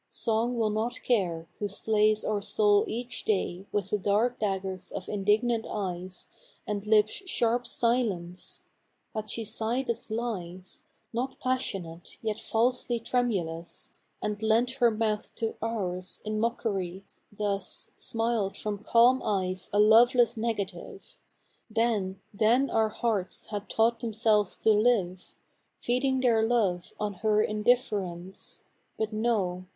Song will not care, who slays our souls each day With the dark daggers of indignant eyes, And lips' sharp silence!... Had she sighed us lies, Not passionate, yet falsely tremulous; And lent her mouth to ours, in mockery; thus Smiled from calm eyes a loveless negative; Then, then our hearts had taught themselves to live Feeding their love on her indifference. But no!